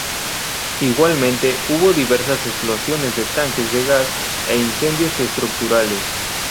Igualmente hubo diversas explosiones de tanques de gas e incendios estructurales.